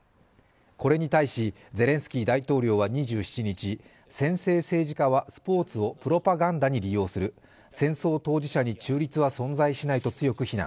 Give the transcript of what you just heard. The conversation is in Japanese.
これに対し、ゼレンスキー大統領は２７日、専制政治家はスポーツをプロパガンダに利用する、戦争当事者に中立は存在しないと強く非難。